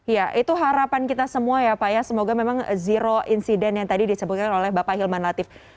ya itu harapan kita semua ya pak ya semoga memang zero insident yang tadi disebutkan oleh bapak hilman latif